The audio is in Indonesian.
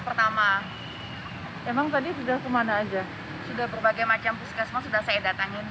pertama emang tadi sudah kemana aja sudah berbagai macam puskesmas sudah saya datangin